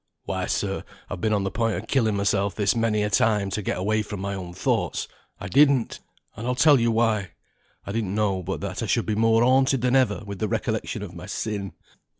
"Why, sir, I've been on the point of killing myself this many a time to get away from my own thoughts. I didn't! and I'll tell you why. I didn't know but that I should be more haunted than ever with the recollection of my sin.